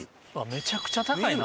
めちゃくちゃ高いな。